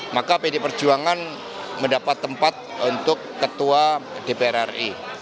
maka pd perjuangan mendapat tempat untuk ketua dpr ri